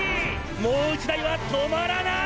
もう１台は止まらない！」